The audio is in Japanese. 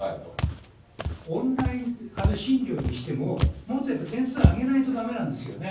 オンライン診療にしても、もっとやっぱり点数上げないとだめなんですよね。